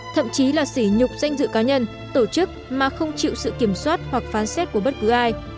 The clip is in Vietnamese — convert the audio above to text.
thậm chí là xỉ nhục danh dự cá nhân tổ chức mà không chịu sự kiểm soát hoặc phán xét của bất cứ ai